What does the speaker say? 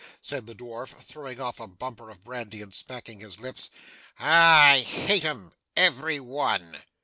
said the dwarf, throwing off a bumper of brandy, and smacking his lips, 'ah! I hate 'em every one!